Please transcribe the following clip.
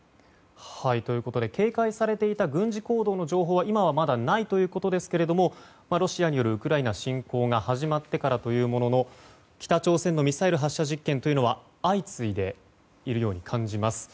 警戒されていた軍事行動の情報は今はまだないということですけどロシアによるウクライナ侵攻が始まってからというものの北朝鮮のミサイル発射実験というのは相次いでいるように感じます。